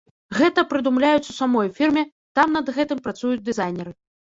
Гэта прыдумляюць у самой фірме, там над гэтым працуюць дызайнеры.